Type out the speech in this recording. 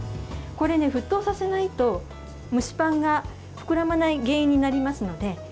これ、沸騰させないと蒸しパンが膨らまない原因になりますので。